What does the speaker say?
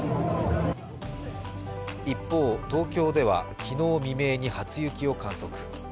一方、東京では昨日未明に初雪を観測。